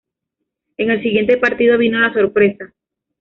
En el siguiente partido vino la sorpresa.